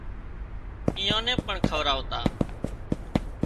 ايئان نين پڻ کوَراوتا